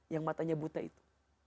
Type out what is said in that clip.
yang matanya buta itu